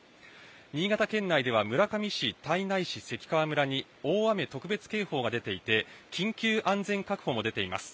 新潟県内では村上市胎内市、関川村に大雨特別警報が出ていて、緊急安全確保も出ています。